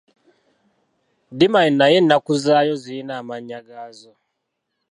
Ddimani nayo ennaku zaayo zirina amannya gaazo.